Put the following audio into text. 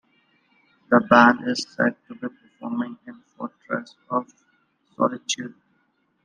The band is said to be performing in a Fortress of Solitude.